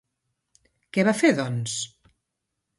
Què va fer, doncs?